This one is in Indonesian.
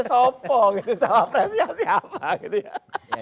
sopo gitu cawapresnya siapa gitu ya